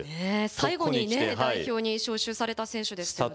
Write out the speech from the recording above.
最後にきて代表に招集された選手ですよね。